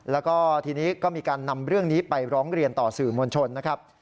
แล้วก็ทีนี้ก็มีการนำเรื่องนี้ไปร้องเรียนต่อสื่อมวลชนนะครับ